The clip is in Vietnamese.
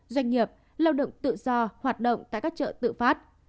doanh nghiệp lao động tự do hoạt động tại các chợ tự phát